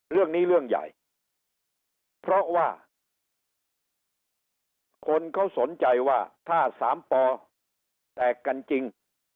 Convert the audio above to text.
เรื่องใหญ่เพราะว่าคนเขาสนใจว่าถ้าสามปอแตกกันจริง